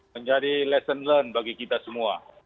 menjadi lesson learned bagi kita semua